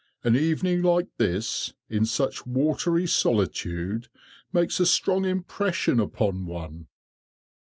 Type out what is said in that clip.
An evening like this, in such watery solitude, makes a strong impression upon one."